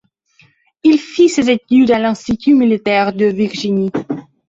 Il fit ses études à l'Institut militaire de Virginie.